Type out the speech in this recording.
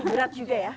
berat juga ya